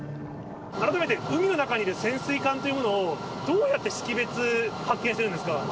改めて海の中にいる潜水艦というものを、どうやって識別、発見してるんですか？